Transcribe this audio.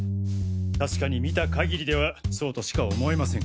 確かに見た限りではそうとしか思えません。